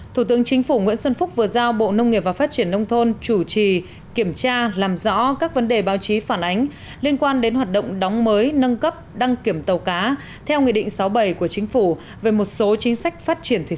thủ tướng chính phủ nguyễn xuân phúc vừa giao bộ nông nghiệp và phát triển nông thôn chủ trì kiểm tra làm rõ các vấn đề báo chí phản ánh liên quan đến hoạt động đóng mới nâng cấp đăng kiểm tàu cá theo nghị định sáu bảy của chính phủ về một số chính sách phát triển thủy sản